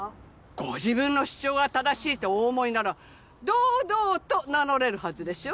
ご自分の主張が正しいとお思いなら堂々と名乗れるはずでしょ。